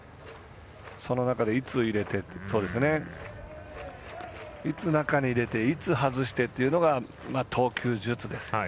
その中で、いつ中に入れていつ外してというのが投球術ですね。